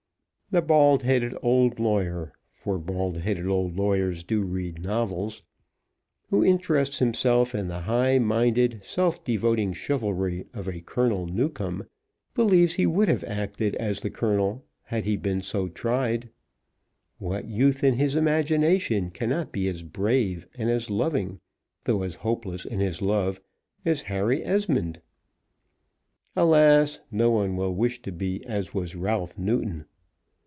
The bald headed old lawyer, for bald headed old lawyers do read novels, who interests himself in the high minded, self devoting chivalry of a Colonel Newcombe, believes he would have acted as did the Colonel had he been so tried. What youth in his imagination cannot be as brave, and as loving, though as hopeless in his love, as Harry Esmond? Alas, no one will wish to be as was Ralph Newton!